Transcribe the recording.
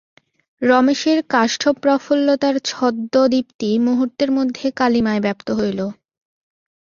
রমেশের কাষ্ঠপ্রফুল্লতার ছদ্মদীপ্তি মুহূর্তের মধ্যে কালিমায় ব্যাপ্ত হইল।